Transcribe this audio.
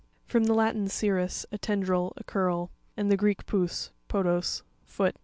— From the Latin, cirrus, a tendril, a curl, and the Greek, pous (podos), foot.